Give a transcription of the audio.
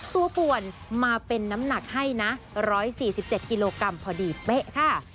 ป่วนมาเป็นน้ำหนักให้นะ๑๔๗กิโลกรัมพอดีเป๊ะค่ะ